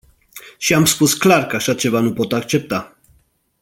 Și am spus clar că așa ceva nu pot accepta.